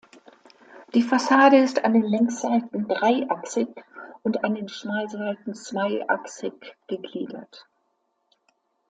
Die Fassade ist an den Längsseiten dreiachsig und an den Schmalseiten zweiachsig gegliedert.